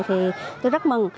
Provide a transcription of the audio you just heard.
thì tôi rất mừng